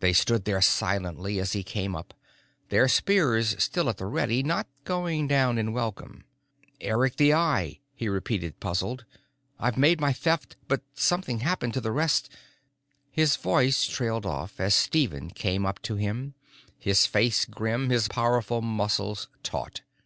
They stood there silently as he came up, their spears still at the ready, not going down in welcome. "Eric the Eye," he repeated, puzzled. "I've made my Theft, but something happened to the rest " His voice trailed off, as Stephen came up to him, his face grim, his powerful muscles taut.